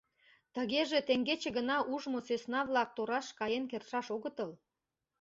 Тыгеже теҥгече гына ужмо сӧсна-влак тораш каен кертшаш огытыл.